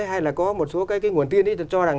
hay là có một số cái nguồn tin cho rằng